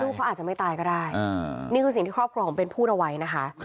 เขาอาจจะไม่ตายก็ได้นี่คือสิ่งที่ครอบครัวของเบนพูดเอาไว้นะคะ